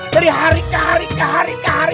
dari hari ke hari ke hari ke hari